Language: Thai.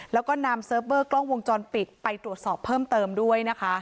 แล้วก็นำเซิร์ฟเวอร์กล้องวงจรปิดไปตรวจสอบเพิ่มเติมด้วยนะคะ